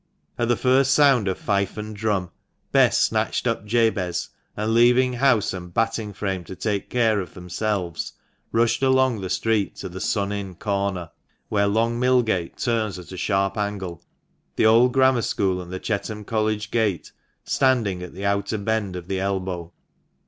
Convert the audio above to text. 37 At the first sound of fife and drum, Bess snatched up Jabez, and leaving house and batting frame to take care of themselves, rushed along the street to the " Sun Inn " corner, where Long Millgate turns at a sharp angle, the old Grammar School and the Chetham College gate standing at the outer bend of the elbow.